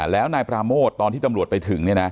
แล้วนายปราโมทตอนที่ตำรวจไปถึง